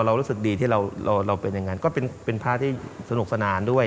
เรารู้สึกดีที่เราเป็นอย่างนั้นก็เป็นพระที่สนุกสนานด้วย